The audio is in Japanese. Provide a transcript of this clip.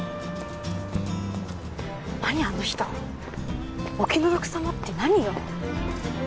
何あの人お気の毒さまって何よ